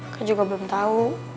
kak juga belum tau